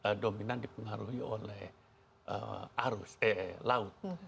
karena itu dominan dipengaruhi oleh arus eh laut